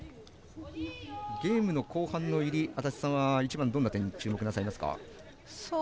ゲームの後半の入り安達さんはどんな点に注目しますか。